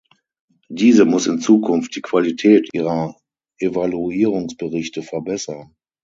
Diese muss in Zukunft die Qualität ihrer Evaluierungsberichte verbessern.